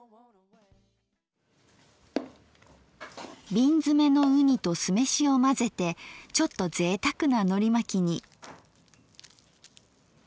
瓶詰めのうにと酢飯を混ぜてちょっとぜいたくなのりまきに。